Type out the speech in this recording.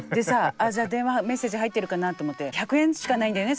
「あじゃあ電話メッセージ入ってるかな」と思って１００円しかないんだよね